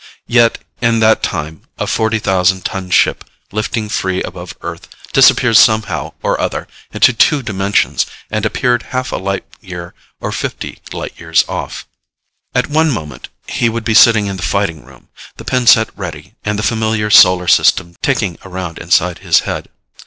Yet in that time, a forty thousand ton ship lifting free above Earth disappeared somehow or other into two dimensions and appeared half a light year or fifty light years off. At one moment, he would be sitting in the Fighting Room, the pin set ready and the familiar Solar System ticking around inside his head.